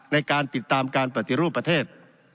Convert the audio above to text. ในการติดตามการปฏิรูปประเทศ